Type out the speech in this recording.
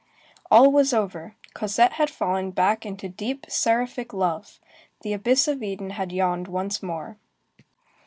All was over, Cosette had fallen back into deep, seraphic love. The abyss of Eden had yawned once more.